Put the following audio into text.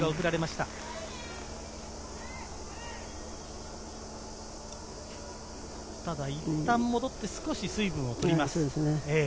ただいったん戻って少し水分をとります。